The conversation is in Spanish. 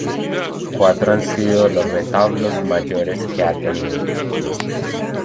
Cuatro han sido los retablos mayores que ha tenido.